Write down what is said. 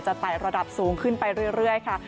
ไต่ระดับสูงขึ้นไปเรื่อยค่ะ